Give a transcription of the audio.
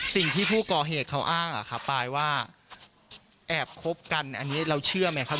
สิ่งที่ผู้ก่อเหตุเขาอ้างอะครับปายว่าแอบคบกันอันนี้เราเชื่อไหมครับ